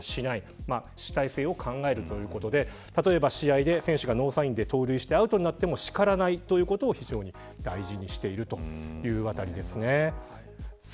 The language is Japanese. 例えば試合で選手がノーサインで盗塁してアウトになっても叱らないということを大事にしているというあたりですね。